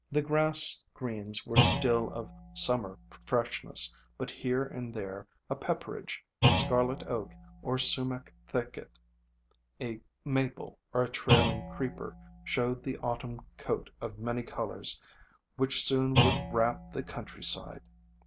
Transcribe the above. The grass greens were still of Summer freshness, but here and there a Pepperidge, Scarlet Oak, or Sumac thicket, a Maple or a Trailing Creeper, showed the Autumn coat of many colors which soon would wrap the countryside.